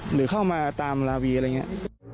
หรือเข้ามาตามลาวีอะไรอย่างนี้